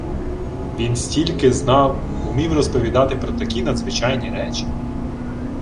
Він стільки знав! Умів розповідати про такі надзвичайні речі!